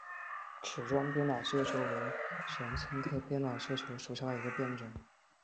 齿状鞭打绣球为玄参科鞭打绣球属下的一个变种。